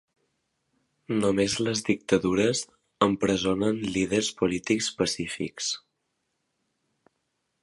Només les dictadures empresonen líders polítics pacífics.